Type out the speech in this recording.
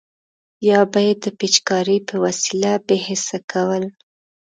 یا به یې د پیچکارۍ په وسیله بې حس کول.